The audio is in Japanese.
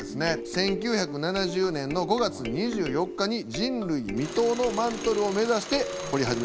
１９７０年の５月２４日に人類未踏のマントルを目指して掘り始めました。